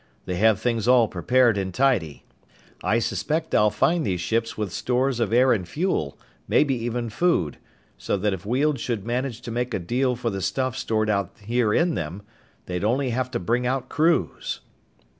They have things all prepared and tidy. I suspect I'll find these ships with stores of air and fuel, maybe even food, so that if Weald should manage to make a deal for the stuff stored out here in them, they'd only have to bring out crews."